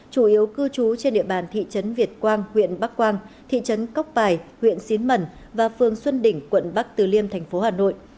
chủ yếu cư trú trên địa bàn thị trấn việt quang huyện bắc quang thị trấn cóc bài huyện xín mần và phường xuân đỉnh quận bắc từ liêm tp hà nội